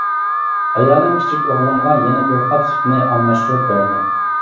ئايالىم كىچىك ئوغلۇمغا يەنە بىر قاپ سۈتنى ئالماشتۇرۇپ بەردى.